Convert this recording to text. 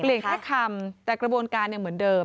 แค่คำแต่กระบวนการยังเหมือนเดิม